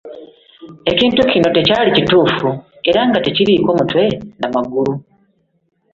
Ekintu kino tekyali kituufu era nga tekiriiko Mutwe na magulu